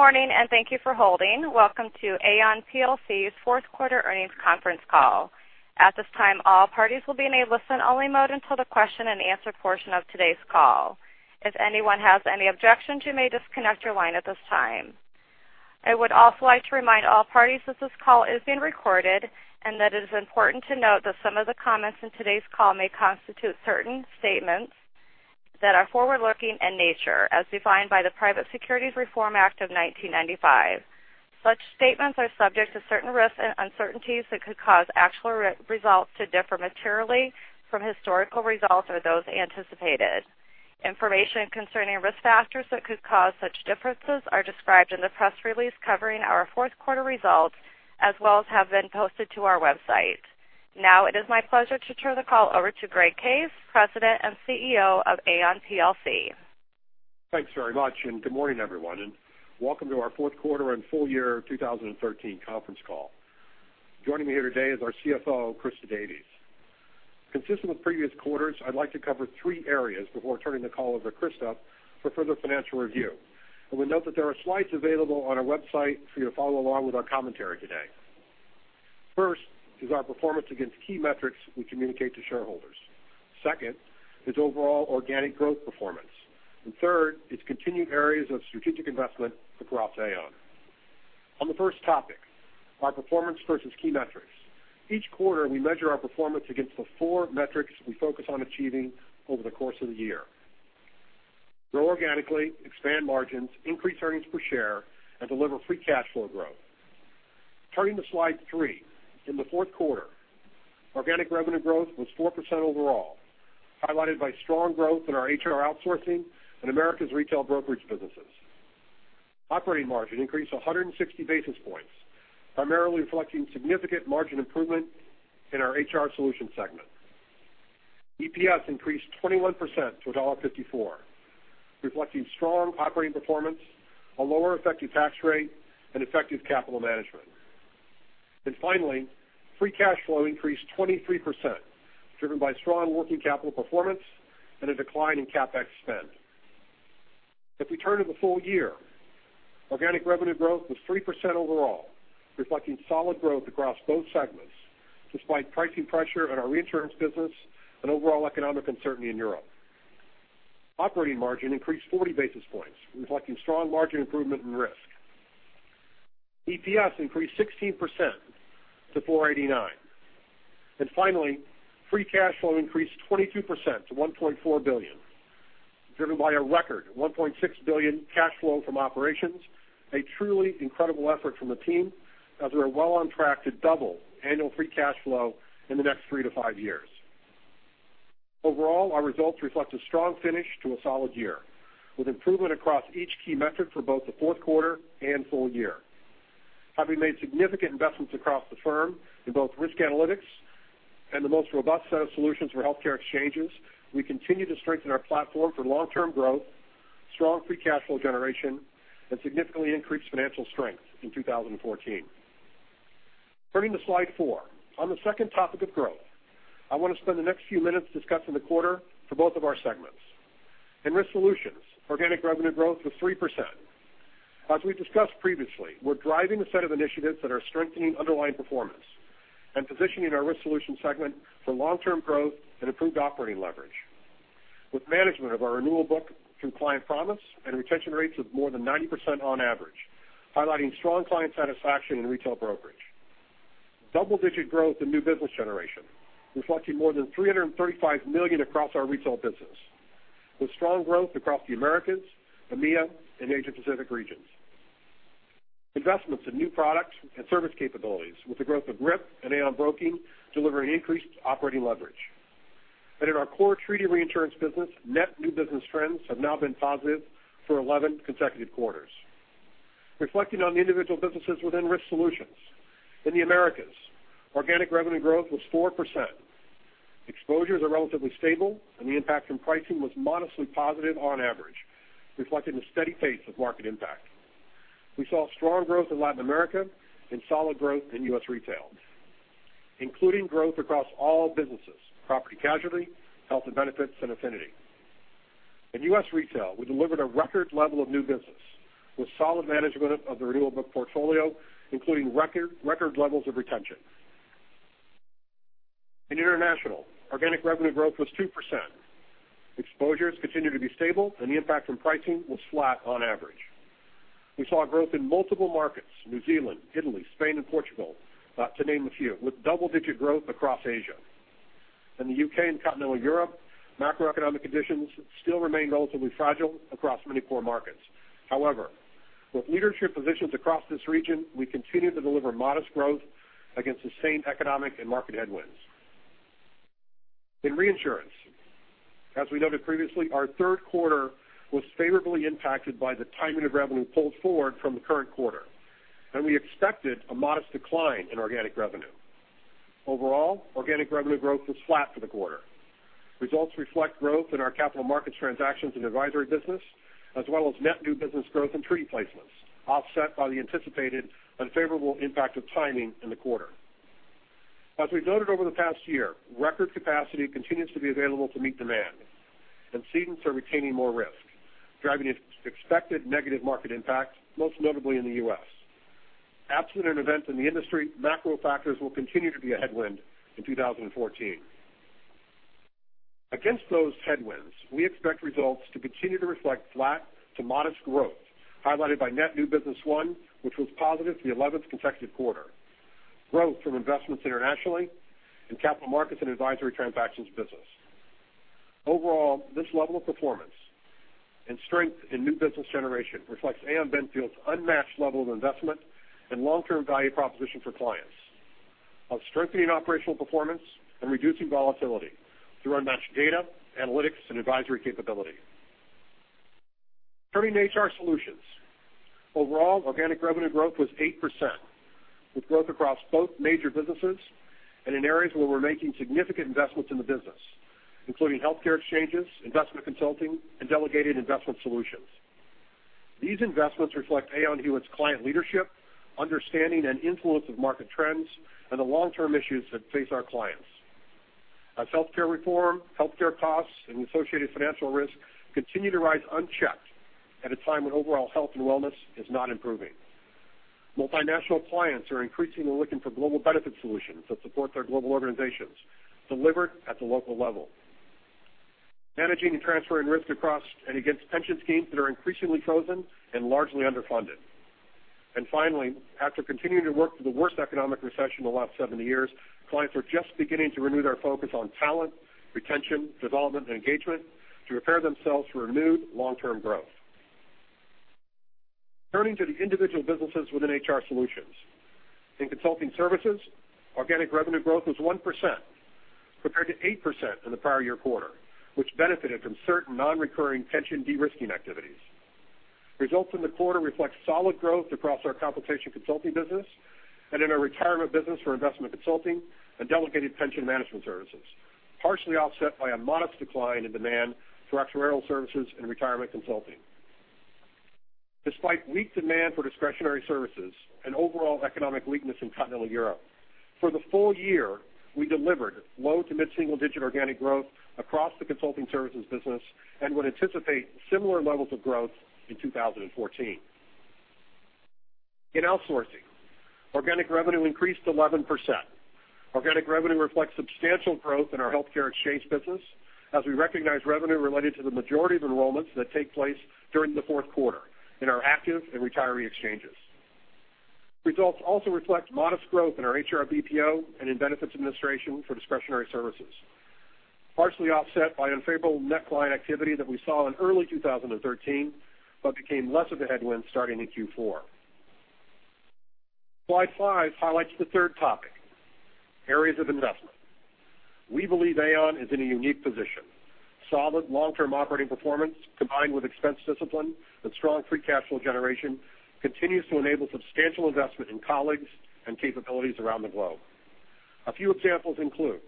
Morning, and thank you for holding. Welcome to Aon plc's fourth quarter earnings conference call. At this time, all parties will be in a listen-only mode until the question and answer portion of today's call. If anyone has any objections, you may disconnect your line at this time. I would also like to remind all parties that this call is being recorded, and that it is important to note that some of the comments in today's call may constitute certain statements that are forward-looking in nature, as defined by the Private Securities Litigation Reform Act of 1995. Such statements are subject to certain risks and uncertainties that could cause actual results to differ materially from historical results or those anticipated. Information concerning risk factors that could cause such differences are described in the press release covering our fourth quarter results, as well as have been posted to our website. Now it is my pleasure to turn the call over to Greg Case, President and CEO of Aon plc. Thanks very much, good morning, everyone, and welcome to our fourth quarter and full year 2013 conference call. Joining me here today is our CFO, Christa Davies. Consistent with previous quarters, I'd like to cover three areas before turning the call over to Christa for further financial review. I would note that there are slides available on our website for you to follow along with our commentary today. First is our performance against key metrics we communicate to shareholders. Second is overall organic growth performance. Third is continued areas of strategic investment across Aon. On the first topic, our performance versus key metrics. Each quarter, we measure our performance against the four metrics we focus on achieving over the course of the year: grow organically, expand margins, increase earnings per share, and deliver free cash flow growth. Turning to slide three. In the fourth quarter, organic revenue growth was 4% overall, highlighted by strong growth in our HR outsourcing and Americas retail brokerage businesses. Operating margin increased 160 basis points, primarily reflecting significant margin improvement in our HR solutions segment. EPS increased 21% to $1.54, reflecting strong operating performance, a lower effective tax rate, and effective capital management. Finally, free cash flow increased 23%, driven by strong working capital performance and a decline in CapEx spend. If we turn to the full year, organic revenue growth was 3% overall, reflecting solid growth across both segments, despite pricing pressure in our reinsurance business and overall economic uncertainty in Europe. Operating margin increased 40 basis points, reflecting strong margin improvement and risk. EPS increased 16% to $4.89. Finally, free cash flow increased 22% to $1.4 billion, driven by a record $1.6 billion cash flow from operations, a truly incredible effort from the team as we are well on track to double annual free cash flow in the next three to five years. Overall, our results reflect a strong finish to a solid year, with improvement across each key metric for both the fourth quarter and full year. Having made significant investments across the firm in both risk analytics and the most robust set of solutions for healthcare exchanges, we continue to strengthen our platform for long-term growth, strong free cash flow generation, and significantly increased financial strength in 2014. Turning to slide four. On the second topic of growth, I want to spend the next few minutes discussing the quarter for both of our segments. In Risk Solutions, organic revenue growth was 3%. As we discussed previously, we're driving a set of initiatives that are strengthening underlying performance and positioning our Risk Solutions segment for long-term growth and improved operating leverage. With management of our renewal book through Client Promise and retention rates of more than 90% on average, highlighting strong client satisfaction in retail brokerage. Double-digit growth in new business generation, reflecting more than $335 million across our retail business, with strong growth across the Americas, EMEA, and Asia Pacific regions. Investments in new products and service capabilities with the growth of GRIP and Aon Broking delivering increased operating leverage. In our core treaty reinsurance business, net new business trends have now been positive for 11 consecutive quarters. Reflecting on the individual businesses within Risk Solutions. In the Americas, organic revenue growth was 4%. Exposures are relatively stable, the impact from pricing was modestly positive on average, reflecting a steady pace of market impact. We saw strong growth in Latin America and solid growth in U.S. retail, including growth across all businesses, property casualty, health and benefits, and affinity. In U.S. retail, we delivered a record level of new business with solid management of the renewal book portfolio, including record levels of retention. In international, organic revenue growth was 2%. Exposures continue to be stable, the impact from pricing was flat on average. We saw growth in multiple markets, New Zealand, Italy, Spain, and Portugal, to name a few, with double-digit growth across Asia. In the U.K. and continental Europe, macroeconomic conditions still remain relatively fragile across many core markets. However, with leadership positions across this region, we continue to deliver modest growth against the same economic and market headwinds. In reinsurance, as we noted previously, our third quarter was favorably impacted by the timing of revenue pulled forward from the current quarter, we expected a modest decline in organic revenue. Overall, organic revenue growth was flat for the quarter. Results reflect growth in our capital markets transactions and advisory business, as well as net new business growth and treaty placements, offset by the anticipated unfavorable impact of timing in the quarter. As we've noted over the past year, record capacity continues to be available to meet demand, cedents are retaining more risk, driving expected negative market impact, most notably in the U.S. Absent an event in the industry, macro factors will continue to be a headwind in 2014. Against those headwinds, we expect results to continue to reflect flat to modest growth, highlighted by net new business won, which was positive for the 11th consecutive quarter, growth from investments internationally, and capital markets and advisory transactions business. Overall, this level of performance and strength in new business generation reflects Aon Benfield's unmatched level of investment and long-term value proposition for clients of strengthening operational performance and reducing volatility through unmatched data, analytics, and advisory capability. Turning to HR Solutions. Overall, organic revenue growth was 8%, with growth across both major businesses and in areas where we're making significant investments in the business, including healthcare exchanges, investment consulting, and delegated investment solutions. These investments reflect Aon Hewitt's client leadership, understanding and influence of market trends, and the long-term issues that face our clients. As healthcare reform, healthcare costs, and associated financial risk continue to rise unchecked at a time when overall health and wellness is not improving. Multinational clients are increasingly looking for global benefit solutions that support their global organizations, delivered at the local level. Managing and transferring risk across and against pension schemes that are increasingly frozen and largely underfunded. Finally, after continuing to work through the worst economic recession in the last 70 years, clients are just beginning to renew their focus on talent, retention, development, and engagement to prepare themselves for renewed long-term growth. Turning to the individual businesses within HR Solutions. In consulting services, organic revenue growth was 1%, compared to 8% in the prior year quarter, which benefited from certain non-recurring pension de-risking activities. Results in the quarter reflect solid growth across our compensation consulting business and in our retirement business for investment consulting and delegated pension management services, partially offset by a modest decline in demand for actuarial services and retirement consulting. Despite weak demand for discretionary services and overall economic weakness in continental Europe, for the full year, we delivered low to mid-single digit organic growth across the consulting services business and would anticipate similar levels of growth in 2014. In outsourcing, organic revenue increased 11%. Organic revenue reflects substantial growth in our healthcare exchange business as we recognize revenue related to the majority of enrollments that take place during the fourth quarter in our active and retiree exchanges. Results also reflect modest growth in our HR BPO and in benefits administration for discretionary services, partially offset by unfavorable net client activity that we saw in early 2013 but became less of a headwind starting in Q4. Slide five highlights the third topic, areas of investment. We believe Aon is in a unique position. Solid long-term operating performance, combined with expense discipline and strong free cash flow generation, continues to enable substantial investment in colleagues and capabilities around the globe. A few examples include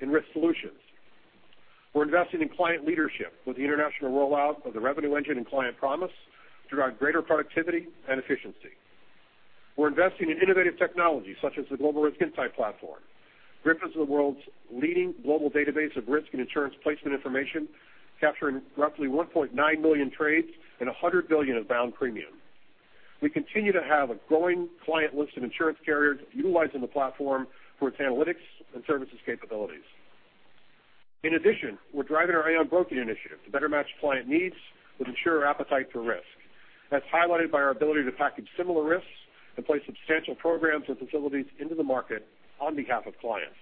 in Risk Solutions, we're investing in client leadership with the international rollout of the Revenue Engine and Client Promise to drive greater productivity and efficiency. We're investing in innovative technology such as the Global Risk Insight Platform. GRIP is the world's leading global database of risk and insurance placement information, capturing roughly 1.9 million trades and $100 billion of bound premium. We continue to have a growing client list of insurance carriers utilizing the platform for its analytics and services capabilities. In addition, we're driving our Aon Broking initiative to better match client needs with insurer appetite for risk. That's highlighted by our ability to package similar risks and place substantial programs and facilities into the market on behalf of clients.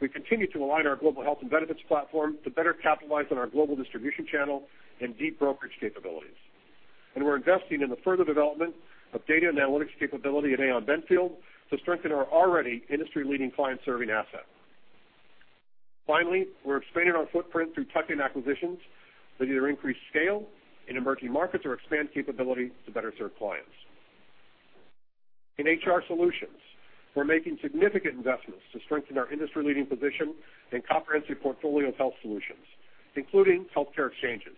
We continue to align our global health and benefits platform to better capitalize on our global distribution channel and deep brokerage capabilities. We're investing in the further development of data and analytics capability at Aon Benfield to strengthen our already industry-leading client-serving asset. Finally, we're expanding our footprint through tuck-in acquisitions that either increase scale in emerging markets or expand capability to better serve clients. In HR Solutions, we're making significant investments to strengthen our industry-leading position and comprehensive portfolio of health solutions, including healthcare exchanges.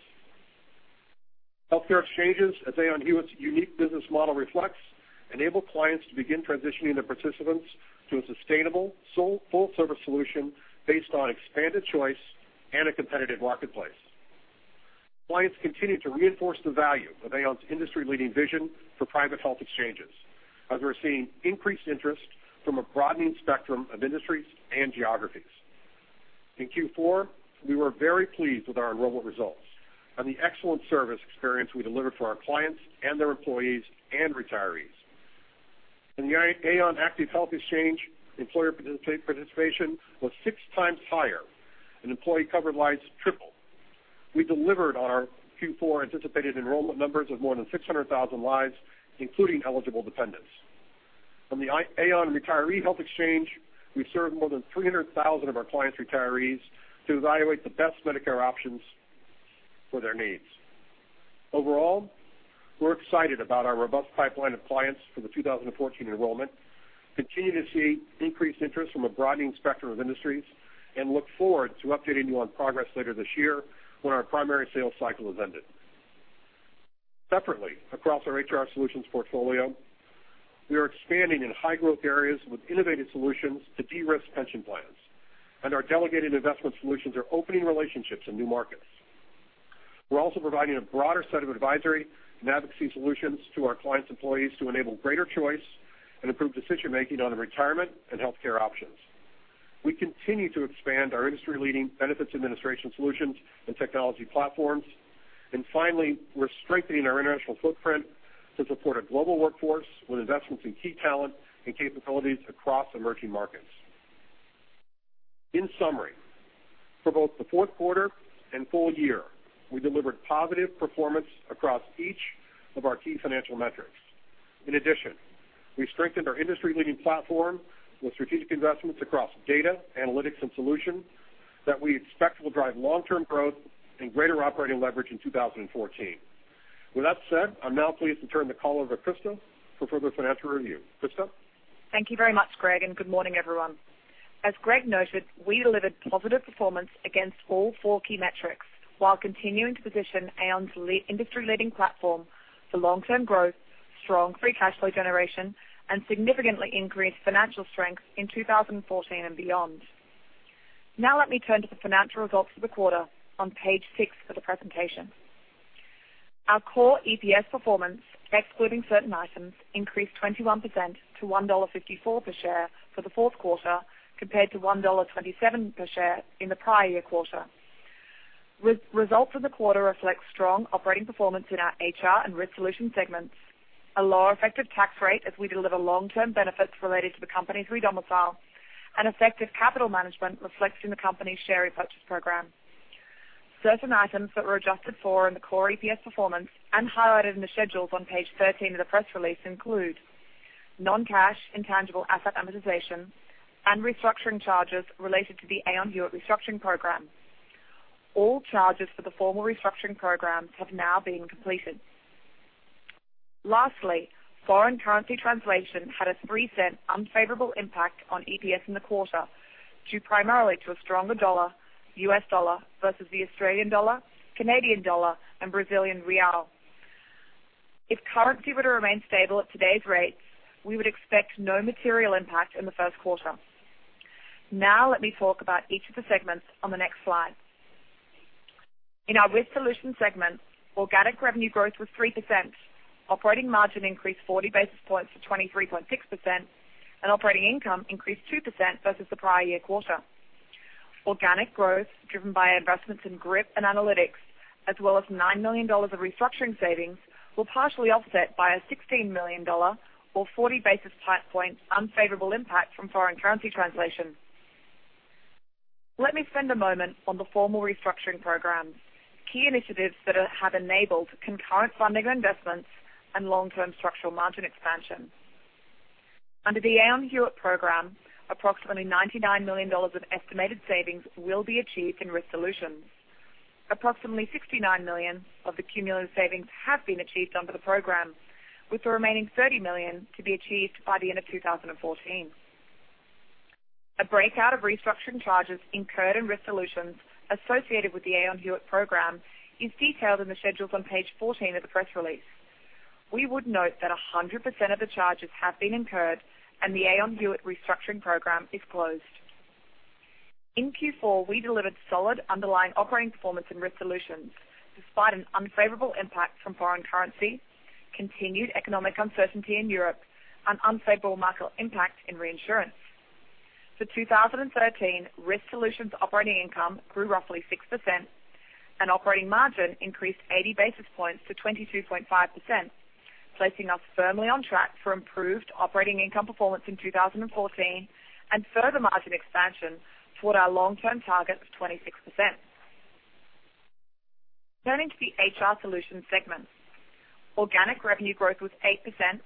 Healthcare exchanges, as Aon Hewitt's unique business model reflects, enable clients to begin transitioning their participants to a sustainable, full-service solution based on expanded choice and a competitive marketplace. Clients continue to reinforce the value of Aon's industry-leading vision for private health exchanges, as we're seeing increased interest from a broadening spectrum of industries and geographies. In Q4, we were very pleased with our enrollment results and the excellent service experience we delivered for our clients and their employees and retirees. In the Aon Active Health Exchange, employer participation was six times higher, and employee covered lives tripled. We delivered on our Q4 anticipated enrollment numbers of more than 600,000 lives, including eligible dependents. On the Aon Retiree Health Exchange, we served more than 300,000 of our clients' retirees to evaluate the best Medicare options for their needs. Overall, we're excited about our robust pipeline of clients for the 2014 enrollment, continue to see increased interest from a broadening spectrum of industries, and look forward to updating you on progress later this year when our primary sales cycle has ended. Separately, across our HR Solutions portfolio, we are expanding in high growth areas with innovative solutions to de-risk pension plans, and our delegated investment solutions are opening relationships in new markets. We're also providing a broader set of advisory and advocacy solutions to our clients' employees to enable greater choice and improve decision-making on their retirement and healthcare options. We continue to expand our industry-leading benefits administration solutions and technology platforms. Finally, we're strengthening our international footprint to support a global workforce with investments in key talent and capabilities across emerging markets. In summary, for both the fourth quarter and full year, we delivered positive performance across each of our key financial metrics. In addition, we strengthened our industry-leading platform with strategic investments across data, analytics, and solutions that we expect will drive long-term growth and greater operating leverage in 2014. With that said, I'm now pleased to turn the call over to Christa for further financial review. Christa? Thank you very much, Greg, and good morning, everyone. As Greg noted, we delivered positive performance against all four key metrics while continuing to position Aon's industry-leading platform for long-term growth, strong free cash flow generation, and significantly increased financial strength in 2014 and beyond. Let me turn to the financial results for the quarter on page six of the presentation. Our core EPS performance, excluding certain items, increased 21% to $1.54 per share for the fourth quarter, compared to $1.27 per share in the prior year quarter. Results for the quarter reflect strong operating performance in our HR and Risk Solutions segments, a lower effective tax rate as we deliver long-term benefits related to the company's re-domicile, and effective capital management reflected in the company's share repurchase program. Certain items that were adjusted for in the core EPS performance and highlighted in the schedules on page 13 of the press release include non-cash intangible asset amortization and restructuring charges related to the Aon Hewitt restructuring program. All charges for the formal restructuring programs have now been completed. Foreign currency translation had a $0.03 unfavorable impact on EPS in the quarter, due primarily to a stronger dollar, US dollar versus the Australian dollar, Canadian dollar, and Brazilian real. If currency were to remain stable at today's rates, we would expect no material impact in the first quarter. Let me talk about each of the segments on the next slide. In our Risk Solutions segment, organic revenue growth was 3%, operating margin increased 40 basis points to 23.6%, and operating income increased 2% versus the prior year quarter. Organic growth, driven by investments in GRIP and analytics, as well as $9 million of restructuring savings, were partially offset by a $16 million, or 40 basis points, unfavorable impact from foreign currency translation. Let me spend a moment on the formal restructuring programs, key initiatives that have enabled concurrent funding of investments and long-term structural margin expansion. Under the Aon Hewitt program, approximately $99 million of estimated savings will be achieved in Risk Solutions. Approximately $69 million of the cumulative savings have been achieved under the program, with the remaining $30 million to be achieved by the end of 2014. A breakout of restructuring charges incurred in Risk Solutions associated with the Aon Hewitt program is detailed in the schedules on page 14 of the press release. We would note that 100% of the charges have been incurred, and the Aon Hewitt restructuring program is closed. In Q4, we delivered solid underlying operating performance in Risk Solutions, despite an unfavorable impact from foreign currency, continued economic uncertainty in Europe, and unfavorable market impact in reinsurance. For 2013, Risk Solutions operating income grew roughly 6% and operating margin increased 80 basis points to 22.5%, placing us firmly on track for improved operating income performance in 2014 and further margin expansion toward our long-term target of 26%. Turning to the HR Solutions segment. Organic revenue growth was 8%,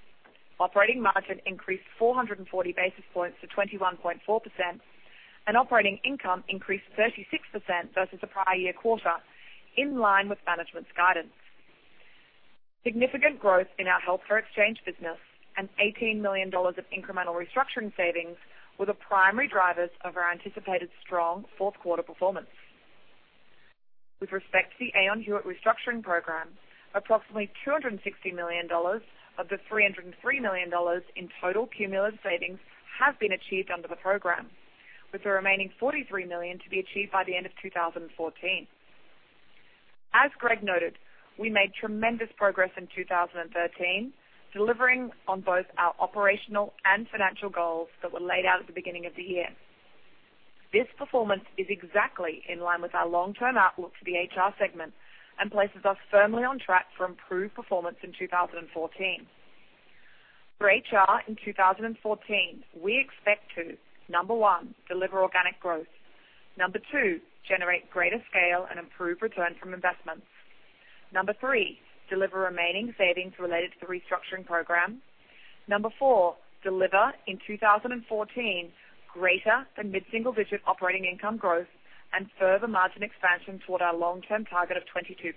operating margin increased 440 basis points to 21.4%, and operating income increased 36% versus the prior year quarter, in line with management's guidance. Significant growth in our healthcare exchange business and $18 million of incremental restructuring savings were the primary drivers of our anticipated strong fourth quarter performance. With respect to the Aon Hewitt restructuring program, approximately $260 million of the $303 million in total cumulative savings have been achieved under the program, with the remaining $43 million to be achieved by the end of 2014. As Greg noted, we made tremendous progress in 2013, delivering on both our operational and financial goals that were laid out at the beginning of the year. This performance is exactly in line with our long-term outlook for the HR segment and places us firmly on track for improved performance in 2014. For HR in 2014, we expect to, number 1, deliver organic growth. Number 2, generate greater scale and improve return from investments. Number 3, deliver remaining savings related to the restructuring program. Number 4, deliver in 2014 greater than mid-single-digit operating income growth and further margin expansion toward our long-term target of 22%.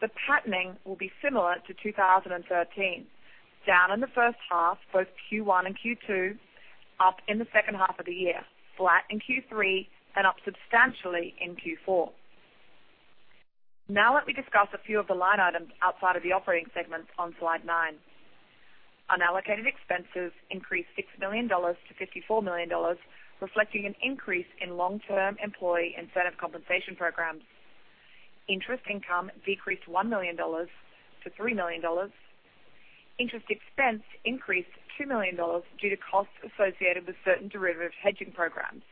The patterning will be similar to 2013, down in the first half, both Q1 and Q2, up in the second half of the year, flat in Q3, and up substantially in Q4. Let me discuss a few of the line items outside of the operating segments on slide nine. Unallocated expenses increased $6 million to $54 million, reflecting an increase in long-term employee incentive compensation programs. Interest income decreased $1 million to $3 million. Interest expense increased $2 million due to costs associated with certain derivative hedging programs.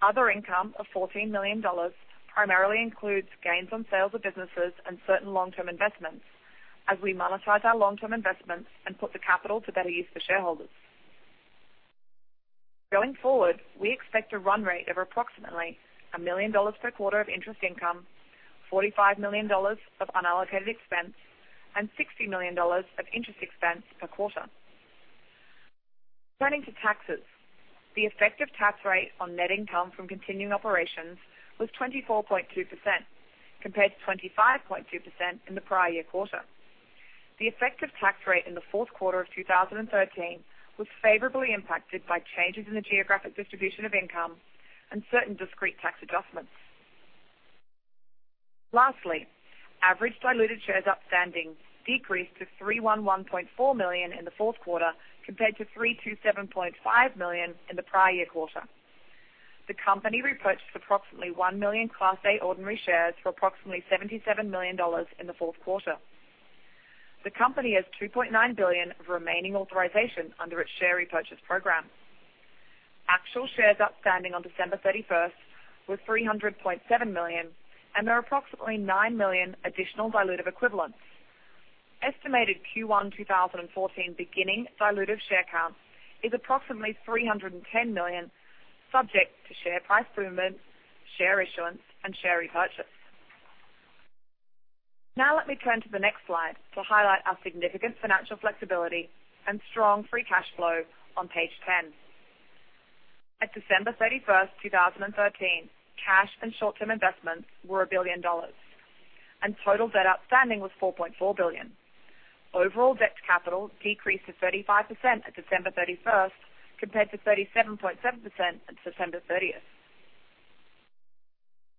Other income of $14 million primarily includes gains on sales of businesses and certain long-term investments as we monetize our long-term investments and put the capital to better use for shareholders. Going forward, we expect a run rate of approximately $1 million per quarter of interest income, $45 million of unallocated expense, and $60 million of interest expense per quarter. Turning to taxes, the effective tax rate on net income from continuing operations was 24.2%, compared to 25.2% in the prior year quarter. The effective tax rate in the fourth quarter of 2013 was favorably impacted by changes in the geographic distribution of income and certain discrete tax adjustments. Lastly, average diluted shares outstanding decreased to 311.4 million in the fourth quarter, compared to 327.5 million in the prior year quarter. The company repurchased approximately 1 million Class A ordinary shares for approximately $77 million in the fourth quarter. The company has 2.9 billion of remaining authorization under its share repurchase program. Actual shares outstanding on December 31st were 300.7 million, and there are approximately 9 million additional dilutive equivalents. Estimated Q1 2014 beginning dilutive share count is approximately 310 million, subject to share price movements, share issuance, and share repurchase. Let me turn to the next slide to highlight our significant financial flexibility and strong free cash flow on page 10. At December 31st, 2013, cash and short-term investments were $1 billion, and total debt outstanding was 4.4 billion. Overall debt to capital decreased to 35% at December 31st, compared to 37.7% at December 31st.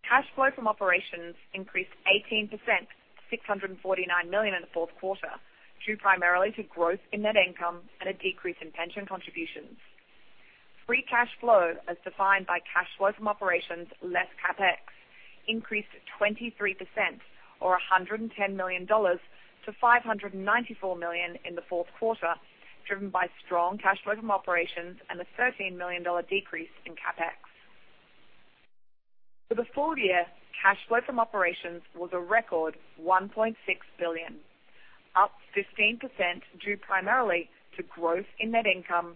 Cash flow from operations increased 18%, to $649 million in the fourth quarter, due primarily to growth in net income and a decrease in pension contributions. Free cash flow, as defined by cash flow from operations less CapEx, increased 23%, or $110 million to $594 million in the fourth quarter, driven by strong cash flow from operations and a $13 million decrease in CapEx. For the full year, cash flow from operations was a record $1.6 billion, up 15%, due primarily to growth in net income,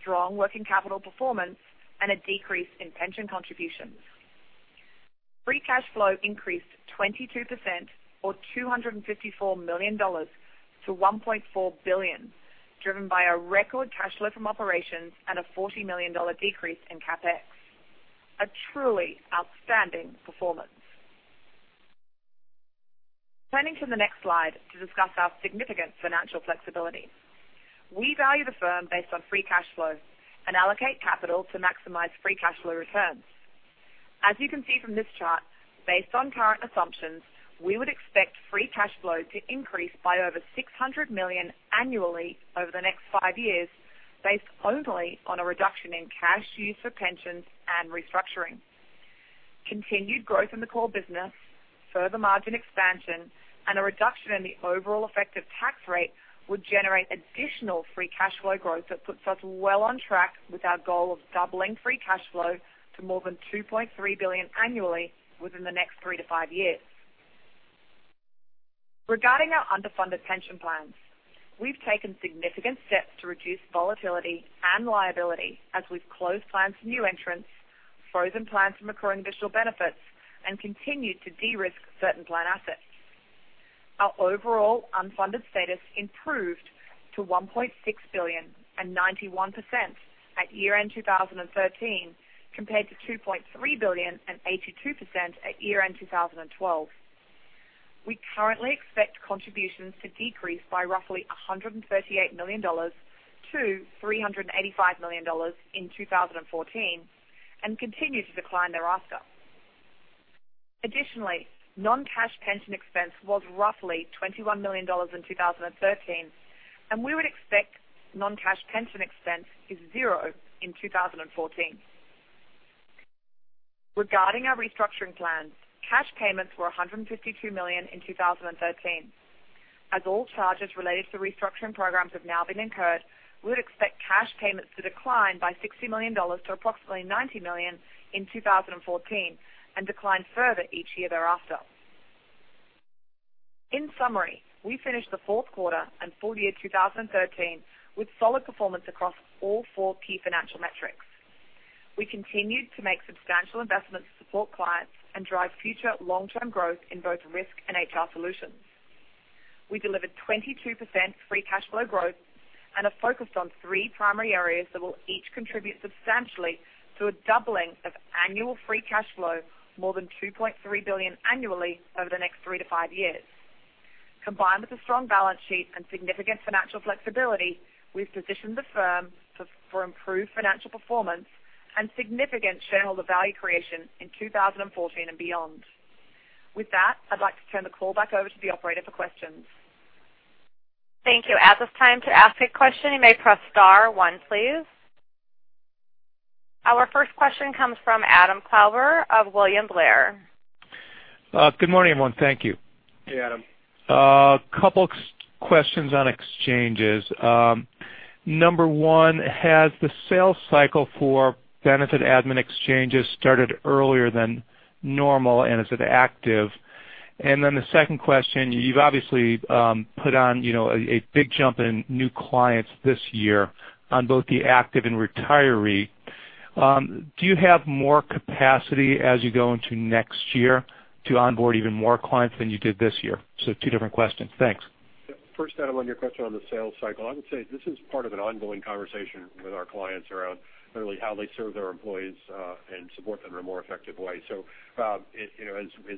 strong working capital performance, and a decrease in pension contributions. Free cash flow increased 22%, or $254 million to $1.4 billion, driven by a record cash flow from operations and a $40 million decrease in CapEx. A truly outstanding performance. Turning to the next slide to discuss our significant financial flexibility. We value the firm based on free cash flow and allocate capital to maximize free cash flow returns. As you can see from this chart, based on current assumptions, we would expect free cash flow to increase by over $600 million annually over the next five years, based only on a reduction in cash used for pensions and restructuring. Continued growth in the core business, further margin expansion, and a reduction in the overall effective tax rate would generate additional free cash flow growth that puts us well on track with our goal of doubling free cash flow to more than $2.3 billion annually within the next three to five years. Regarding our underfunded pension plans, we've taken significant steps to reduce volatility and liability as we've closed plans to new entrants, frozen plans from accruing additional benefits, and continued to de-risk certain plan assets. Our overall unfunded status improved to $1.6 billion and 91% at year-end 2013, compared to $2.3 billion and 82% at year-end 2012. We currently expect contributions to decrease by roughly $138 million to $385 million in 2014 and continue to decline thereafter. Additionally, non-cash pension expense was roughly $21 million in 2013, and we would expect non-cash pension expense is zero in 2014. Regarding our restructuring plans, cash payments were $152 million in 2013. As all charges related to restructuring programs have now been incurred, we would expect cash payments to decline by $60 million to approximately $90 million in 2014 and decline further each year thereafter. In summary, we finished the fourth quarter and full year 2013 with solid performance across all four key financial metrics. We continued to make substantial investments to support clients and drive future long-term growth in both risk and HR solutions. We delivered 22% free cash flow growth and are focused on three primary areas that will each contribute substantially to a doubling of annual free cash flow more than $2.3 billion annually over the next three to five years. Combined with a strong balance sheet and significant financial flexibility, we've positioned the firm for improved financial performance and significant shareholder value creation in 2014 and beyond. With that, I'd like to turn the call back over to the operator for questions. Thank you. At this time, to ask a question, you may press star one, please. Our first question comes from Adam Klauber of William Blair. Good morning, everyone. Thank you. Hey, Adam. A couple questions on exchanges. Number 1, has the sales cycle for benefit admin exchanges started earlier than normal, and is it active? The second question, you've obviously put on a big jump in new clients this year on both the active and retiree. Do you have more capacity as you go into next year to onboard even more clients than you did this year? Two different questions. Thanks. First, Adam, on your question on the sales cycle, I would say this is part of an ongoing conversation with our clients around literally how they serve their employees and support them in a more effective way. As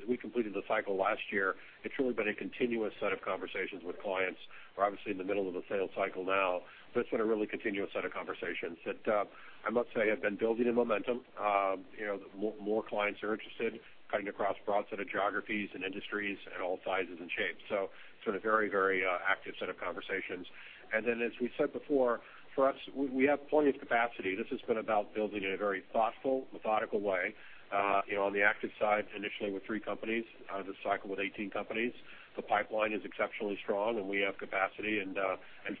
we completed the cycle last year, it's really been a continuous set of conversations with clients. We're obviously in the middle of a sales cycle now, but it's been a really continuous set of conversations that I must say have been building in momentum. More clients are interested cutting across a broad set of geographies and industries and all sizes and shapes. Sort of very active set of conversations. As we said before, for us, we have plenty of capacity. This has been about building in a very thoughtful, methodical way. On the active side, initially with three companies, the cycle with 18 companies. The pipeline is exceptionally strong, and we have capacity and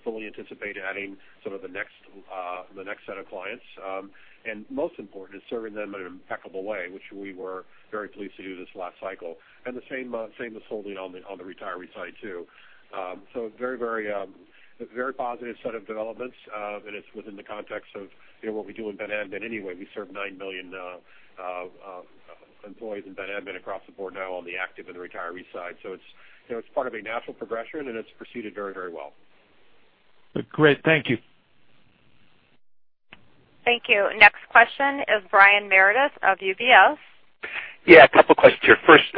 fully anticipate adding the next set of clients. Most important is serving them in an impeccable way, which we were very pleased to do this last cycle. The same is holding on the retiree side, too. Very positive set of developments, and it's within the context of what we do in benefit admin anyway. We serve nine million employees in benefit admin across the board now on the active and retiree side. It's part of a natural progression, and it's proceeded very well. Great. Thank you. Thank you. Next question is Brian Meredith of UBS. Yeah, a couple of questions here. First,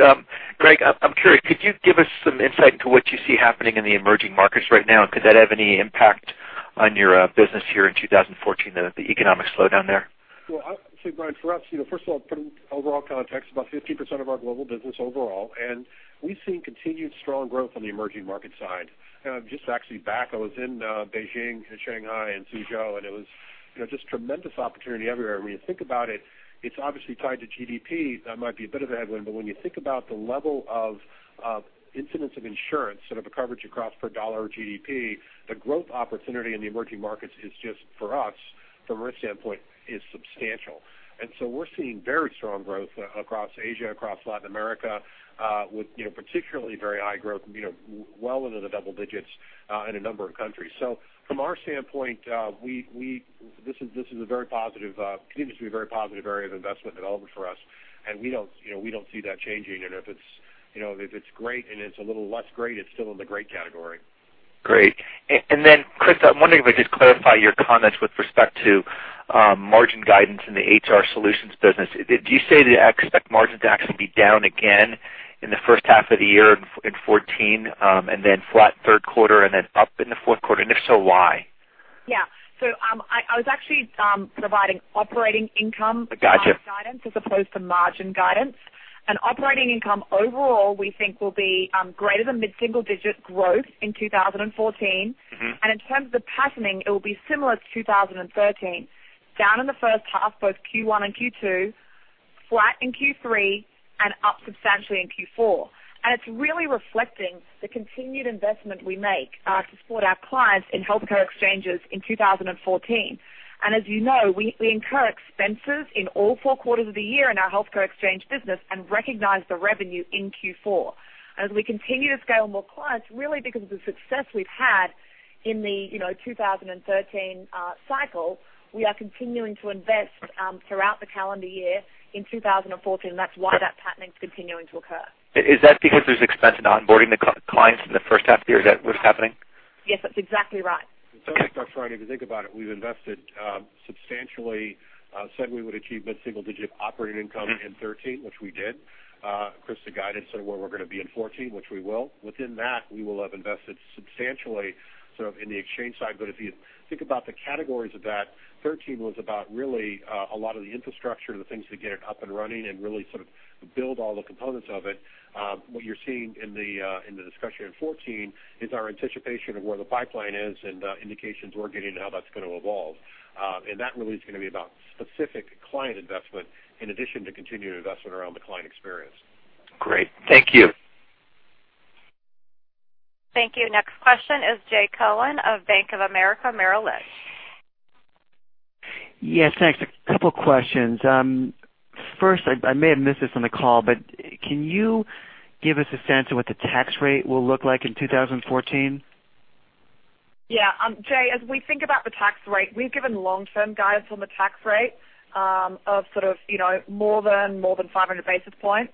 Greg, I'm curious, could you give us some insight into what you see happening in the emerging markets right now? Could that have any impact on your business here in 2014, the economic slowdown there? Well, I would say, Brian, for us, first of all, put in overall context, about 15% of our global business overall, we've seen continued strong growth on the emerging market side. I was just actually back, I was in Beijing and Shanghai and Suzhou, it was just tremendous opportunity everywhere. When you think about it's obviously tied to GDP. That might be a bit of a headwind, but when you think about the level of incidence of insurance, sort of a coverage across per dollar or GDP, the growth opportunity in the emerging markets is just, for us, from our standpoint, is substantial. So we're seeing very strong growth across Asia, across Latin America, with particularly very high growth, well into the double digits, in a number of countries. From our standpoint, this continues to be a very positive area of investment development for us, and we don't see that changing. If it's great and it's a little less great, it's still in the great category. Great. Christa, I'm wondering if I could just clarify your comments with respect to margin guidance in the HR solutions business. Do you say that you expect margins to actually be down again in the first half of the year in 2014, then flat third quarter then up in the fourth quarter? If so, why? Yeah. I was actually providing operating income. Got you. guidance as opposed to margin guidance. Operating income overall, we think will be greater than mid-single digit growth in 2014. In terms of the patterning, it will be similar to 2013, down in the first half, both Q1 and Q2, flat in Q3, and up substantially in Q4. It's really reflecting the continued investment we make to support our clients in healthcare exchanges in 2014. As you know, we incur expenses in all four quarters of the year in our healthcare exchange business and recognize the revenue in Q4. As we continue to scale more clients, really because of the success we've had in the 2013 cycle, we are continuing to invest throughout the calendar year in 2014, and that's why that patterning is continuing to occur. Is that because there's expense in onboarding the clients in the first half of the year? Is that what's happening? Yes, that's exactly right. If anything, if I was trying to think about it, we've invested substantially, said we would achieve mid-single digit operating income in 2013, which we did. Christa guided to where we're going to be in 2014, which we will. Within that, we will have invested substantially in the exchange side. If you think about the categories of that, 2013 was about really a lot of the infrastructure, the things to get it up and running and really build all the components of it. What you're seeing in the discussion in 2014 is our anticipation of where the pipeline is and the indications we're getting and how that's going to evolve. That really is going to be about specific client investment in addition to continued investment around the client experience. Great. Thank you. Thank you. Next question is Jay Cohen of Bank of America Merrill Lynch. Yes, thanks. A couple of questions. First, I may have missed this on the call, but can you give us a sense of what the tax rate will look like in 2014? Jay, as we think about the tax rate, we've given long-term guidance on the tax rate of more than 500 basis points.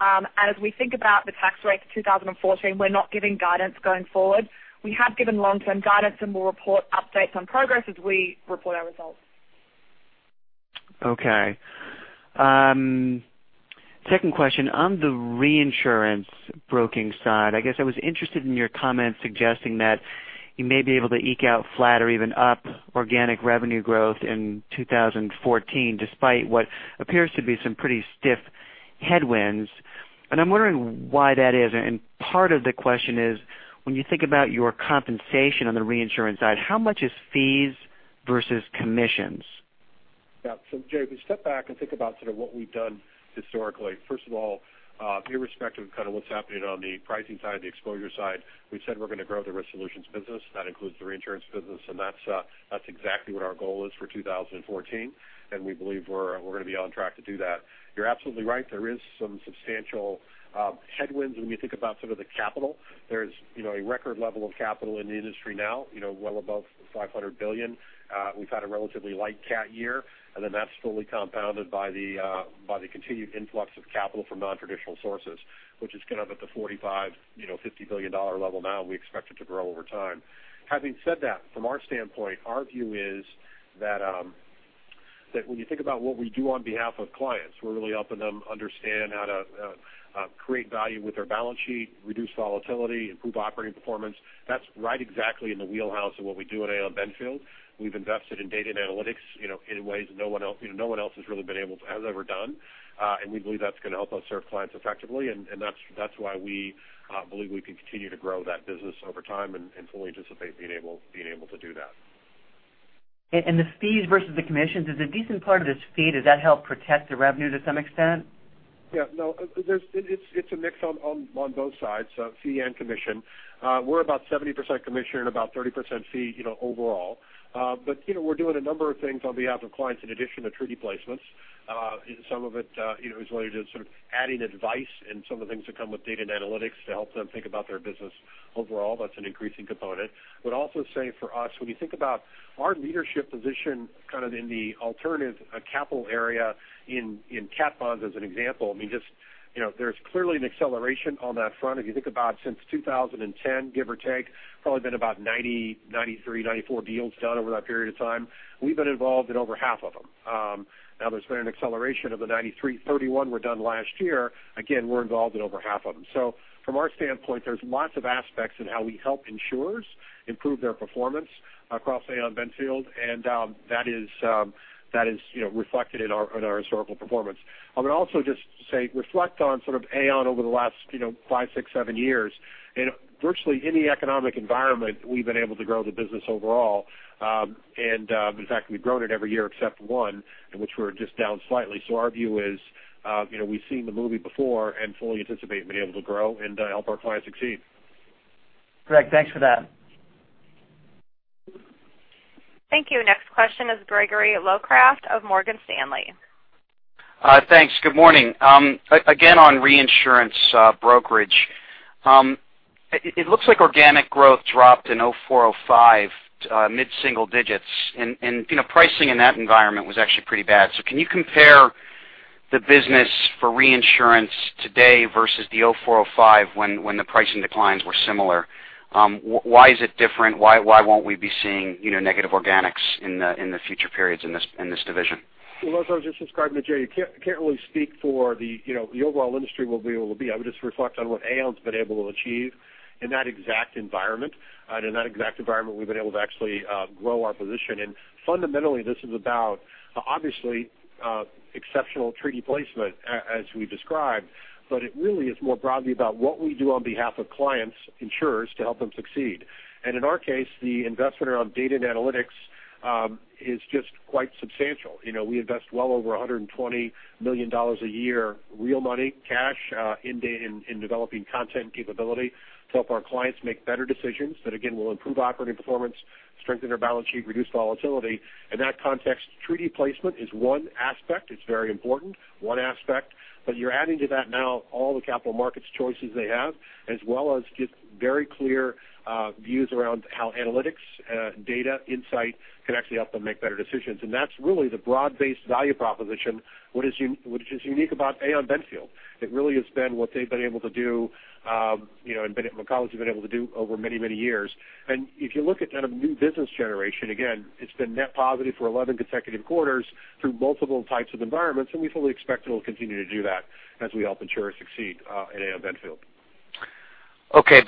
As we think about the tax rate for 2014, we're not giving guidance going forward. We have given long-term guidance and will report updates on progress as we report our results. Okay. Second question, on the reinsurance broking side, I was interested in your comments suggesting that you may be able to eke out flat or even up organic revenue growth in 2014, despite what appears to be some pretty stiff headwinds. I'm wondering why that is. Part of the question is, when you think about your compensation on the reinsurance side, how much is fees versus commissions? Yeah. Jay, if we step back and think about what we've done historically, first of all, irrespective of what's happening on the pricing side, the exposure side, we've said we're going to grow the Aon Risk Solutions business. That includes the reinsurance business, and that's exactly what our goal is for 2014, and we believe we're going to be on track to do that. You're absolutely right. There is some substantial headwinds when you think about the capital. There's a record level of capital in the industry now, well above $500 billion. We've had a relatively light cat year, and then that's fully compounded by the continued influx of capital from non-traditional sources, which is kind of at the $45 billion-$50 billion level now, and we expect it to grow over time. Having said that, from our standpoint, our view is that when you think about what we do on behalf of clients, we're really helping them understand how to create value with their balance sheet, reduce volatility, improve operating performance. That's right exactly in the wheelhouse of what we do at Aon Benfield. We've invested in data and analytics in ways no one else has ever done. We believe that's going to help us serve clients effectively, that's why we believe we can continue to grow that business over time and fully anticipate being able to do that. The fees versus the commissions, is a decent part of this fee, does that help protect the revenue to some extent? Yeah, no, it's a mix on both sides, fee and commission. We're about 70% commission and about 30% fee overall. We're doing a number of things on behalf of clients in addition to treaty placements. Some of it is related to adding advice and some of the things that come with data and analytics to help them think about their business overall. That's an increasing component. I would also say for us, when you think about our leadership position in the alternative capital area in cat bonds as an example, there's clearly an acceleration on that front. If you think about since 2010, give or take, probably been about 90, 93, 94 deals done over that period of time. We've been involved in over half of them. Now there's been an acceleration of the 93. 31 were done last year. Again, we're involved in over half of them. From our standpoint, there's lots of aspects in how we help insurers improve their performance across Aon Benfield, and that is reflected in our historical performance. I would also just say, reflect on Aon over the last five, six, seven years. In virtually any economic environment, we've been able to grow the business overall. In fact, we've grown it every year except one, in which we were just down slightly. Our view is, we've seen the movie before and fully anticipate being able to grow and help our clients succeed. Great. Thanks for that. Thank you. Next question is Gregory Locraft of Morgan Stanley. Thanks. Good morning. Again, on reinsurance brokerage. It looks like organic growth dropped in 2004, 2005, mid-single digits. Pricing in that environment was actually pretty bad. Can you compare the business for reinsurance today versus the 2004, 2005 when the pricing declines were similar? Why is it different? Why won't we be seeing negative organics in the future periods in this division? As I was just describing to Jay, you can't really speak for the overall industry will be what it will be. I would just reflect on what Aon's been able to achieve in that exact environment. In that exact environment, we've been able to actually grow our position. Fundamentally, this is about, obviously, exceptional treaty placement as we described, but it really is more broadly about what we do on behalf of clients, insurers, to help them succeed. In our case, the investment around data and analytics is just quite substantial. We invest well over $120 million a year, real money, cash, in developing content capability to help our clients make better decisions that again, will improve operating performance, strengthen their balance sheet, reduce volatility. In that context, treaty placement is one aspect. It's very important. One aspect. You're adding to that now all the capital markets choices they have, as well as just very clear views around how analytics, data insight can actually help them make better decisions. That's really the broad-based value proposition, which is unique about Aon Benfield. It really has been what they've been able to do and colleagues have been able to do over many years. If you look at new business generation, again, it's been net positive for 11 consecutive quarters through multiple types of environments, and we fully expect it'll continue to do that as we help insurers succeed at Aon Benfield. Okay.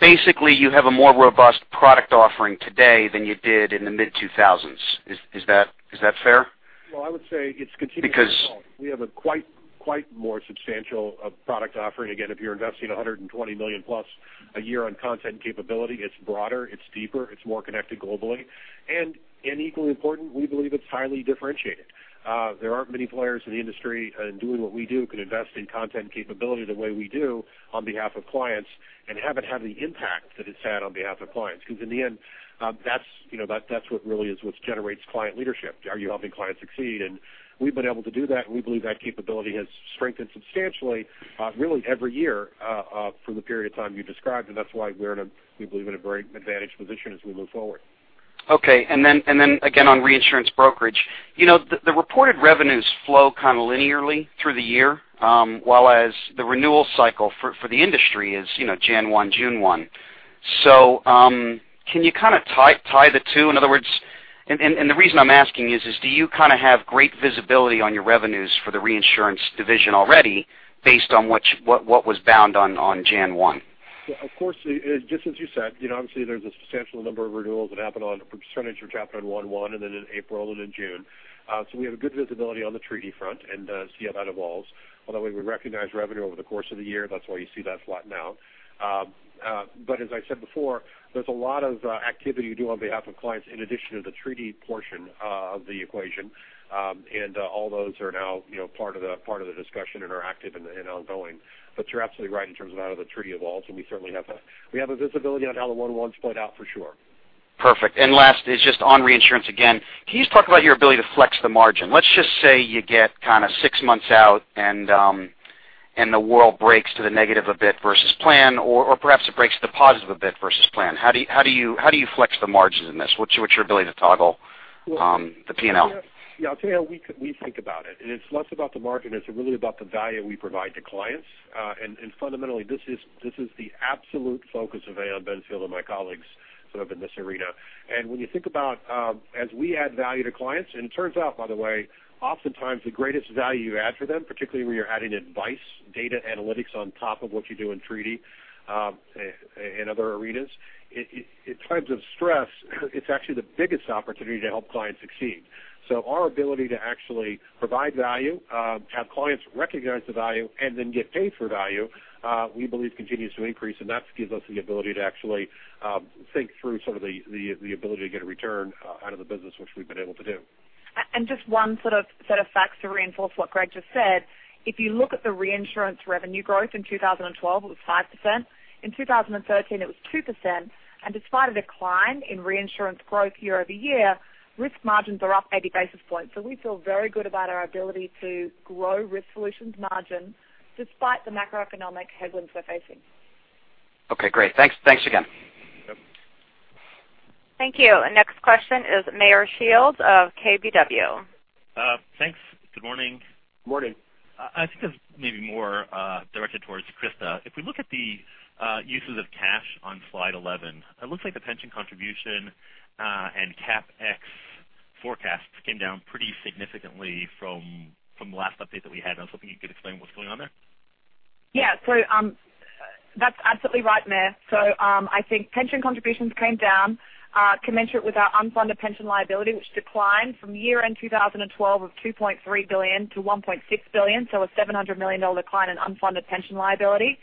Basically, you have a more robust product offering today than you did in the mid-2000s. Is that fair? I would say it's continued to evolve. Because- We have a quite more substantial product offering. Again, if you're investing 120 million+ a year on content capability, it's broader, it's deeper, it's more connected globally. Equally important, we believe it's highly differentiated. There aren't many players in the industry doing what we do, can invest in content capability the way we do on behalf of clients and have it have the impact that it's had on behalf of clients. In the end, that's what really is what generates client leadership. Are you helping clients succeed? We've been able to do that, and we believe that capability has strengthened substantially, really every year, for the period of time you described, and that's why we believe we're in a very advantaged position as we move forward. Okay. Then again on reinsurance brokerage. The reported revenues flow kind of linearly through the year, while as the renewal cycle for the industry is January 1, June 1. Can you kind of tie the two? The reason I'm asking is, do you have great visibility on your revenues for the reinsurance division already based on what was bound on January 1? Of course. Just as you said, obviously there's a substantial number of renewals that happen on a percentage or chapter on January 1, and then in April and in June. We have a good visibility on the treaty front and see how that evolves. Although we would recognize revenue over the course of the year, that's why you see that flatten out. As I said before, there's a lot of activity you do on behalf of clients in addition to the treaty portion of the equation. All those are now part of the discussion, interactive and ongoing. You're absolutely right in terms of how the treaty evolves, and we certainly have a visibility on how the January 1s played out for sure. Perfect. Last is just on reinsurance again. Can you just talk about your ability to flex the margin? Let's just say you get 6 months out and the world breaks to the negative a bit versus plan, or perhaps it breaks to the positive a bit versus plan. How do you flex the margins in this? What's your ability to toggle the P&L? Yeah. I'll tell you how we think about it's less about the margin, it's really about the value we provide to clients. Fundamentally, this is the absolute focus of Aon Benfield and my colleagues in this arena. When you think about as we add value to clients, and it turns out, by the way, oftentimes the greatest value you add for them, particularly when you're adding advice, data analytics on top of what you do in treaty, in other arenas, in times of stress, it's actually the biggest opportunity to help clients succeed. Our ability to actually provide value, have clients recognize the value and then get paid for value, we believe continues to increase, and that gives us the ability to actually think through the ability to get a return out of the business, which we've been able to do. Just one set of facts to reinforce what Greg just said. If you look at the reinsurance revenue growth in 2012, it was 5%. In 2013, it was 2%. Despite a decline in reinsurance growth year-over-year, Risk Solutions margins are up 80 basis points. We feel very good about our ability to grow Risk Solutions margin despite the macroeconomic headwinds we're facing. Okay, great. Thanks again. Yep. Thank you. Next question is Meyer Shields of KBW. Thanks. Good morning. Morning. I think this may be more directed towards Christa. If we look at the uses of cash on slide 11, it looks like the pension contribution and CapEx forecasts came down pretty significantly from the last update that we had. I was hoping you could explain what's going on there. Yeah. That's absolutely right, Meyer. I think pension contributions came down commensurate with our unfunded pension liability, which declined from year-end 2012 of $2.3 billion to $1.6 billion, a $700 million decline in unfunded pension liability,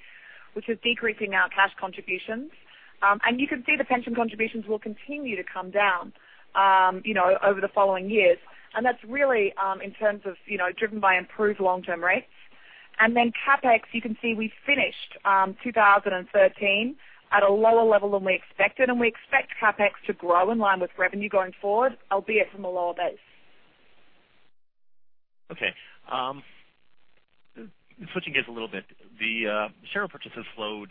which is decreasing our cash contributions. You can see the pension contributions will continue to come down over the following years. That's really driven by improved long-term rates. Then CapEx, you can see we finished 2013 at a lower level than we expected, and we expect CapEx to grow in line with revenue going forward, albeit from a lower base. Okay. Switching gears a little bit, the share purchases slowed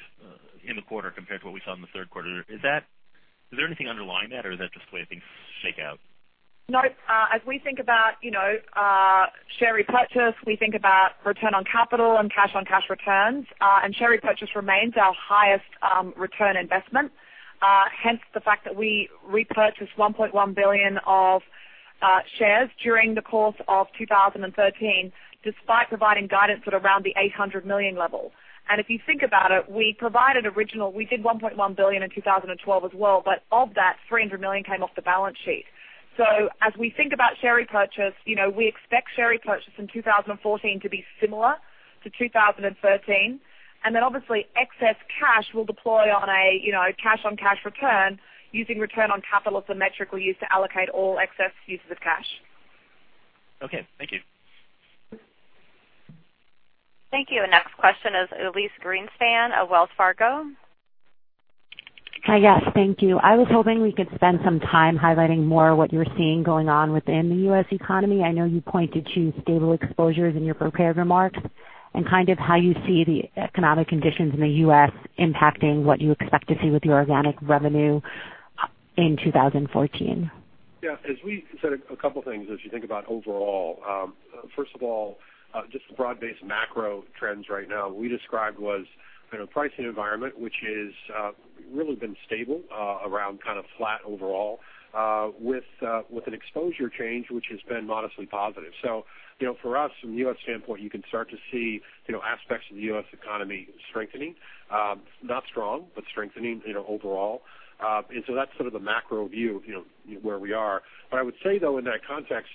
in the quarter compared to what we saw in the third quarter. Is there anything underlying that or is that just the way things shake out? No. As we think about share repurchase, we think about return on capital and cash on cash returns. Share repurchase remains our highest return investment. Hence the fact that we repurchased $1.1 billion of shares during the course of 2013, despite providing guidance at around the $800 million level. If you think about it, we did $1.1 billion in 2012 as well, but of that, 300 million came off the balance sheet. As we think about share repurchase, we expect share repurchase in 2014 to be similar to 2013. Then obviously excess cash will deploy on a cash on cash return using return on capital as the metric we use to allocate all excess uses of cash. Okay. Thank you. Thank you. Next question is Elyse Greenspan of Wells Fargo. Hi. Yes. Thank you. I was hoping we could spend some time highlighting more what you're seeing going on within the U.S. economy. I know you pointed to stable exposures in your prepared remarks and kind of how you see the economic conditions in the U.S. impacting what you expect to see with your organic revenue in 2014. Yeah. As we said, a couple of things as you think about overall. First of all, just the broad-based macro trends right now we described was pricing environment, which has really been stable around kind of flat overall with an exposure change which has been modestly positive. For us, from the U.S. standpoint, you can start to see aspects of the U.S. economy strengthening. Not strong, but strengthening overall. That's sort of the macro view where we are. I would say, though, in that context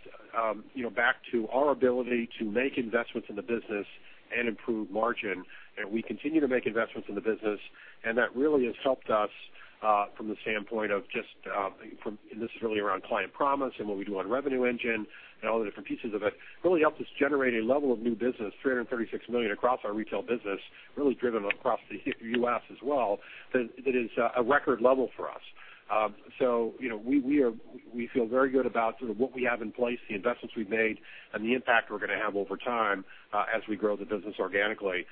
back to our ability to make investments in the business and improve margin. We continue to make investments in the business, and that really has helped us from the standpoint of just, and this is really around Aon Client Promise and what we do on Revenue Engine and all the different pieces of it, really helped us generate a level of new business, $336 million across our retail business, really driven across the U.S. as well. That is a record level for us. We feel very good about what we have in place, the investments we've made, and the impact we're going to have over time as we grow the business organically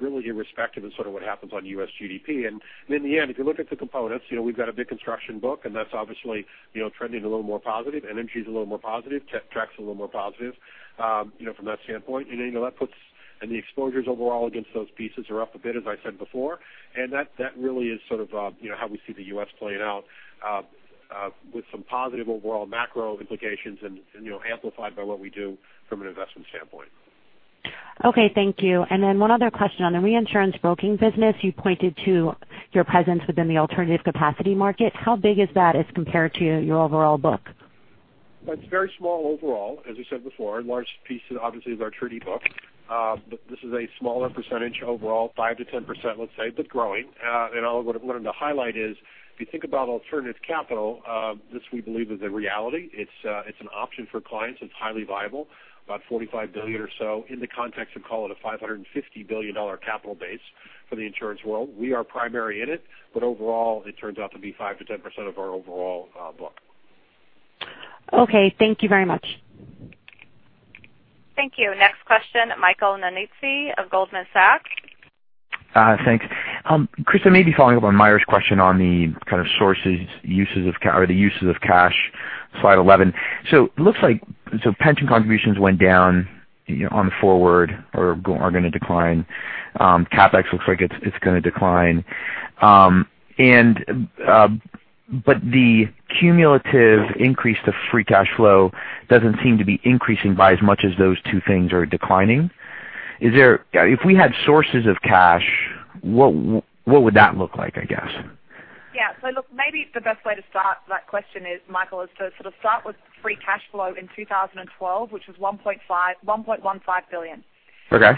really irrespective of what happens on U.S. GDP. In the end, if you look at the components, we've got a big construction book, and that's obviously trending a little more positive. Energy is a little more positive. Tech track's a little more positive from that standpoint. The exposures overall against those pieces are up a bit, as I said before. That really is sort of how we see the U.S. playing out with some positive overall macro implications and amplified by what we do from an investment standpoint. Okay, thank you. One other question on the reinsurance broking business, you pointed to your presence within the alternative capacity market. How big is that as compared to your overall book? It's very small overall, as we said before. The largest piece obviously is our treaty book. This is a smaller percentage overall, 5%-10%, let's say, but growing. What I'm going to highlight is, if you think about alternative capital, this we believe is a reality. It's an option for clients. It's highly viable, about $45 billion or so in the context of, call it a $550 billion capital base for the insurance world. We are primary in it, overall, it turns out to be 5%-10% of our overall book. Okay, thank you very much. Thank you. Next question, Michael Nannizzi of Goldman Sachs. Thanks. Christa, maybe following up on Meyer's question on the kind of sources or the uses of cash, slide 11. It looks like pension contributions went down on the forward or are going to decline. CapEx looks like it's going to decline. The cumulative increase to free cash flow doesn't seem to be increasing by as much as those two things are declining. If we had sources of cash, what would that look like, I guess? Yeah. Look, maybe the best way to start that question is, Michael, is to sort of start with free cash flow in 2012, which was $1.15 billion. Okay.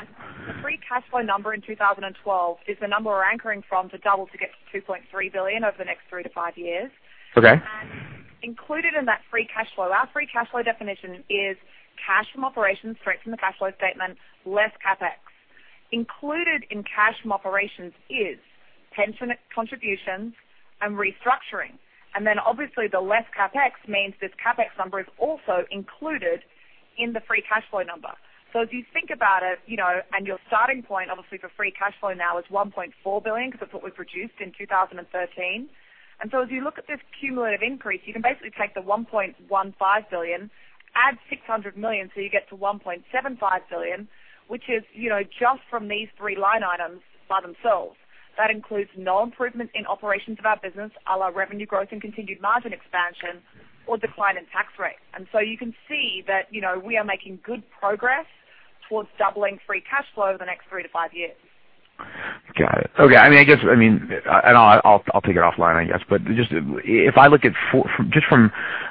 The free cash flow number in 2012 is the number we're anchoring from to double to get to $2.3 billion over the next three to five years. Okay. Included in that free cash flow, our free cash flow definition is cash from operations straight from the cash flow statement, less CapEx. Included in cash from operations is pension contributions and restructuring. Then obviously the less CapEx means this CapEx number is also included in the free cash flow number. If you think about it, and your starting point obviously for free cash flow now is $1.4 billion because that's what we produced in 2013. As you look at this cumulative increase, you can basically take the $1.15 billion, add $600 million, you get to $1.75 billion, which is just from these three line items by themselves. That includes no improvement in operations of our business, our revenue growth and continued margin expansion or decline in tax rates. You can see that we are making good progress towards doubling free cash flow over the next three to five years. Got it. Okay. I'll take it offline, I guess. If I look just from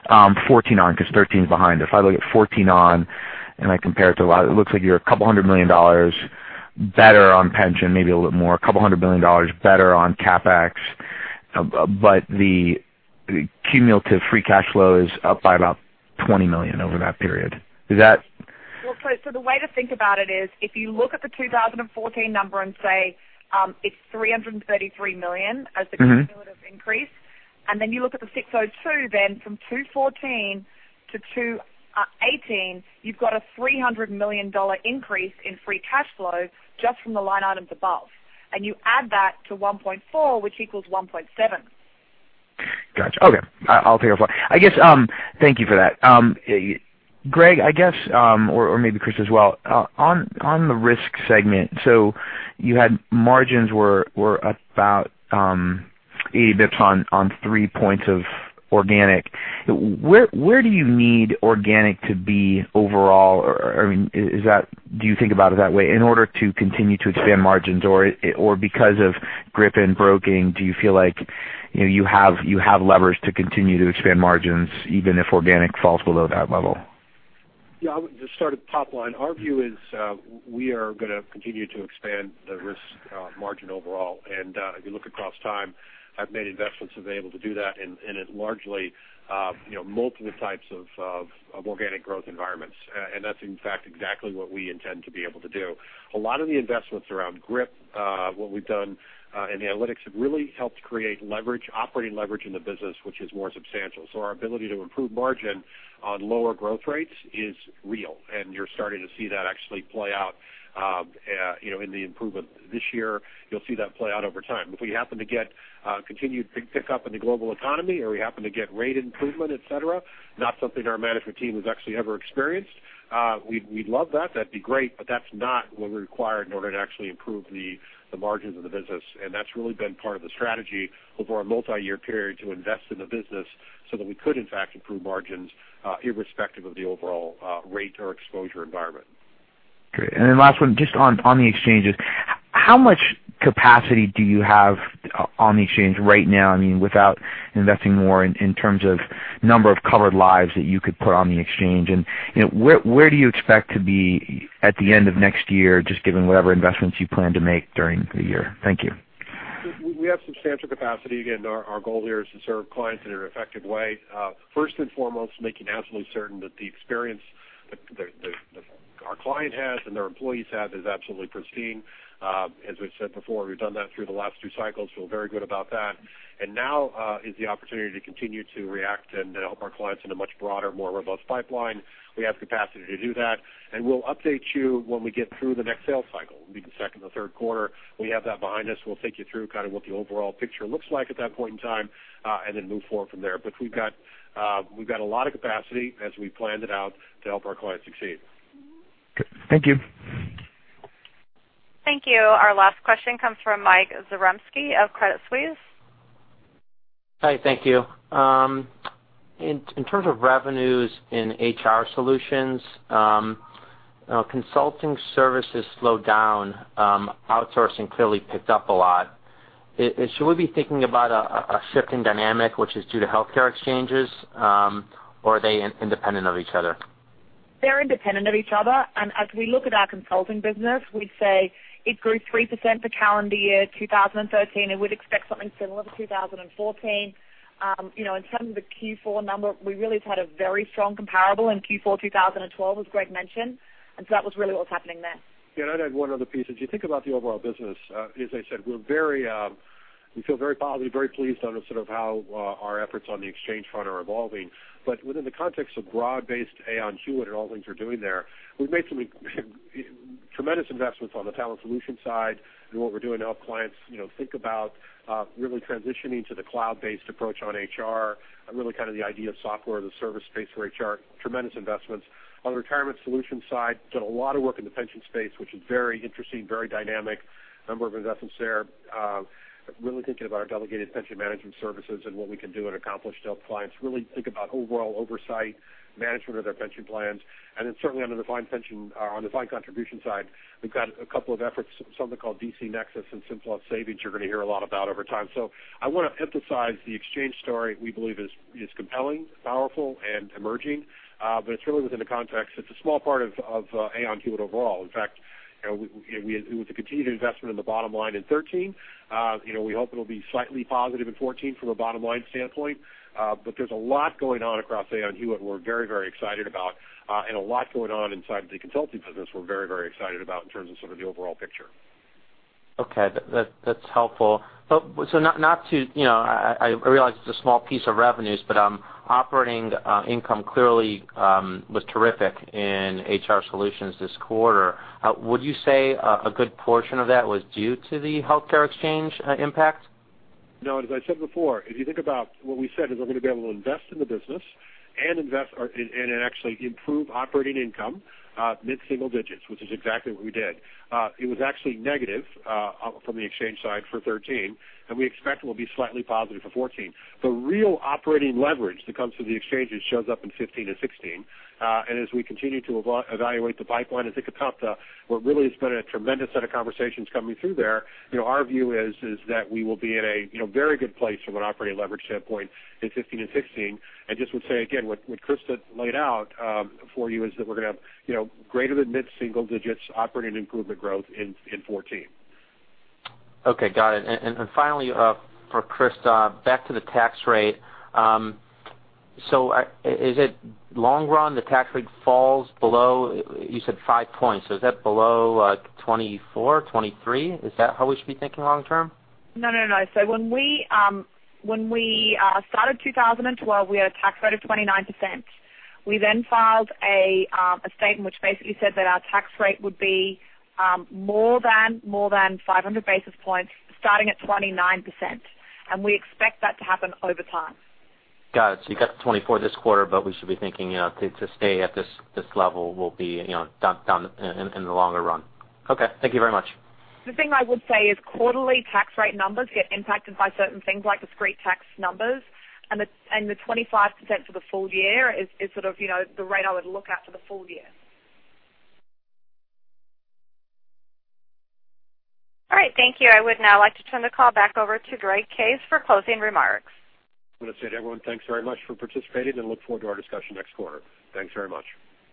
2014 on, because 2013 is behind us, if I look at 2014 on and I compare it to, it looks like you're a couple hundred million dollars better on pension, maybe a little more, a couple hundred million dollars better on CapEx. The cumulative free cash flow is up by about $20 million over that period. Is that The way to think about it is if you look at the 2014 number and say it's $333 million as the cumulative increase, then you look at the $602, then from 2014 to 2018, you've got a $300 million increase in free cash flow just from the line items above. You add that to $1.4, which equals $1.7. Got you. Okay. I'll take it offline. Thank you for that. Greg, I guess, or maybe Chris as well, on the risk segment, you had margins were about 80 basis points on three points of organic. Where do you need organic to be overall? Do you think about it that way in order to continue to expand margins? Because of GRIP and Aon Broking, do you feel like you have levers to continue to expand margins even if organic falls below that level? Yeah, I would just start at the top line. Our view is we are going to continue to expand the risk margin overall. If you look across time, I've made investments available to do that in largely multiple types of organic growth environments. That's in fact exactly what we intend to be able to do. A lot of the investments around GRIP, what we've done in the analytics have really helped create leverage, operating leverage in the business, which is more substantial. Our ability to improve margin on lower growth rates is real, and you're starting to see that actually play out in the improvement this year. You'll see that play out over time. If we happen to get continued big pickup in the global economy or we happen to get rate improvement, et cetera, not something our management team has actually ever experienced, we'd love that. That'd be great, but that's not what we require in order to actually improve the margins of the business. That's really been part of the strategy over a multi-year period to invest in the business so that we could in fact improve margins irrespective of the overall rate or exposure environment. Great. Last one, just on the exchanges, how much capacity do you have on the exchange right now? I mean, without investing more in terms of number of covered lives that you could put on the exchange. Where do you expect to be at the end of next year, just given whatever investments you plan to make during the year? Thank you. We have substantial capacity. Again, our goal here is to serve clients in an effective way. First and foremost, making absolutely certain that the experience that our client has and their employees have is absolutely pristine. As we've said before, we've done that through the last two cycles, feel very good about that. Now is the opportunity to continue to react and help our clients in a much broader, more robust pipeline. We have capacity to do that, and we'll update you when we get through the next sales cycle. It'll be the second or third quarter. We have that behind us. We'll take you through kind of what the overall picture looks like at that point in time, and then move forward from there. We've got a lot of capacity as we planned it out to help our clients succeed. Okay. Thank you. Thank you. Our last question comes from Michael Zaremski of Credit Suisse. Hi, thank you. In terms of revenues in HR solutions, consulting services slowed down, outsourcing clearly picked up a lot. Should we be thinking about a shifting dynamic which is due to healthcare exchanges? Or are they independent of each other? They're independent of each other. As we look at our consulting business, we say it grew 3% for calendar year 2013, and we'd expect something similar for 2014. In terms of the Q4 number, we really had a very strong comparable in Q4 2012, as Greg mentioned, that was really what was happening there. I'd add one other piece. As you think about the overall business, as I said, we feel very positive, very pleased on how our efforts on the exchange front are evolving. Within the context of broad-based Aon Hewitt and all the things we're doing there, we've made some tremendous investments on the talent solution side and what we're doing to help clients think about really transitioning to the cloud-based approach on HR, and really the idea of software as a service space for HR, tremendous investments. On the retirement solution side, done a lot of work in the pension space, which is very interesting, very dynamic. A number of investments there, really thinking about our delegated pension management services and what we can do and accomplish to help clients really think about overall oversight, management of their pension plans. Certainly on the defined contribution side, we've got a couple of efforts, something called DC Nexus and some savings you're going to hear a lot about over time. I want to emphasize the exchange story we believe is compelling, powerful, and emerging, but it's really within the context. It's a small part of Aon Hewitt overall. In fact, it was a continued investment in the bottom line in 2013. We hope it'll be slightly positive in 2014 from a bottom-line standpoint. There's a lot going on across Aon Hewitt we're very excited about, and a lot going on inside the consulting business we're very excited about in terms of the overall picture. Okay. That's helpful. I realize it's a small piece of revenues, but operating income clearly was terrific in HR solutions this quarter. Would you say a good portion of that was due to the healthcare exchange impact? No, as I said before, if you think about what we said, is we're going to be able to invest in the business and actually improve operating income mid-single digits, which is exactly what we did. It was actually negative from the exchange side for 2013, and we expect it will be slightly positive for 2014. The real operating leverage that comes from the exchanges shows up in 2015 and 2016. As we continue to evaluate the pipeline and think about what really has been a tremendous set of conversations coming through there, our view is that we will be in a very good place from an operating leverage standpoint in 2015 and 2016. I just would say again, what Christa laid out for you is that we're going to have greater than mid-single digits operating improvement growth in 2014. Okay, got it. Finally, for Christa, back to the tax rate. Is it long run, the tax rate falls below, you said five points. Is that below 24, 23? Is that how we should be thinking long term? No. When we started 2012, we had a tax rate of 29%. We filed a statement which basically said that our tax rate would be more than 500 basis points starting at 29%, and we expect that to happen over time. Got it. You got the 24 this quarter, but we should be thinking to stay at this level will be done in the longer run. Okay, thank you very much. The thing I would say is quarterly tax rate numbers get impacted by certain things like discrete tax numbers, and the 25% for the full year is the rate I would look at for the full year. All right, thank you. I would now like to turn the call back over to Greg Case for closing remarks. I want to say to everyone, thanks very much for participating, and look forward to our discussion next quarter. Thanks very much.